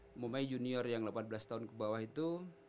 umumnya junior yang delapan belas tahun ke bawah itu